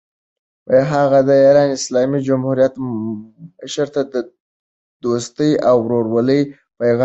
هغه د ایران اسلامي جمهوریت مشر ته د دوستۍ او ورورولۍ پیغام ورکړ.